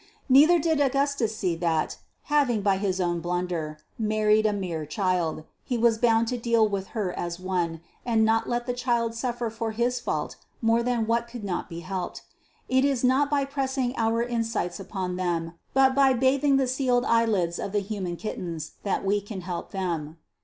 Neither did Augustus see that, having, by his own blunder, married a mere child, he was bound to deal with her as one, and not let the child suffer for his fault more than what could not be helped. It is not by pressing our insights upon them, but by bathing the sealed eyelids of the human kittens, that we can help them.